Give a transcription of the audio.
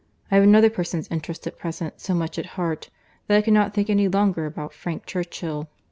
I have another person's interest at present so much at heart, that I cannot think any longer about Frank Churchill.